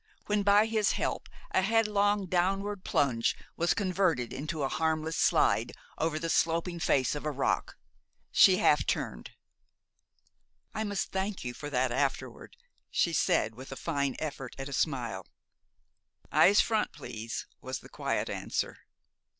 When by his help a headlong downward plunge was converted into a harmless slide over the sloping face of a rock, she half turned. "I must thank you for that afterward," she said, with a fine effort at a smile. "Eyes front, please," was the quiet answer.